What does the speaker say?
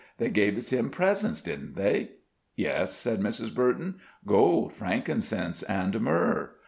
They gaveded him presentsh, didn't they?" "Yes," said Mrs. Burton; "gold, frankincense, and myrrh."